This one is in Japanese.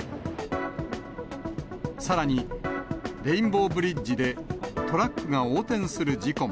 さらに、レインボーブリッジでトラックが横転する事故も。